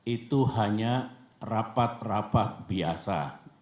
itu hanya rapat rapat biasa